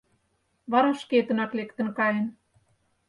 Вара шкетынак лектын каен.